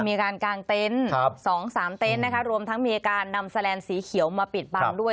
มีการกางเต็นต์๒๓เต็นต์นะคะรวมทั้งมีการนำแลนดสีเขียวมาปิดบังด้วย